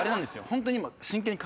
ホントに今。